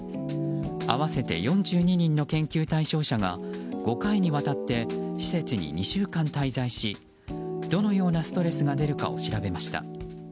合わせて４２人の研究対象者が５回にわたって施設に２週間滞在しどのようなストレスが出るかを調べました。